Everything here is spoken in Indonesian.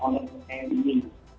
yang di sini